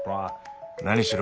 何しろ